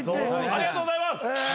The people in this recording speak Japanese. ありがとうございます！